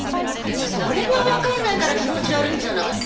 それがわからないから気持ち悪いんじゃない。